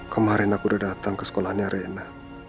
kemarin aku sudah datang ke sekolahnya reena